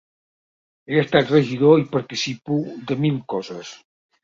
He estat regidor i participo de mil coses.